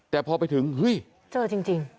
แต่พอไปถึงเฮ้ยเจอจริง